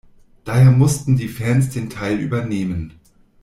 Daher mussten die Fans den Teil übernehmen.